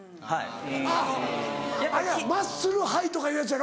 あのあれやろマッスルハイとかいうやつやろ？